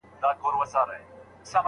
ستونزي د حل کېدو لپاره راځي.